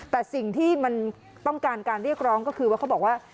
แต่สิ่งที่มันต้องการการเรียกร้องก็คือว่าเขาบอกว่า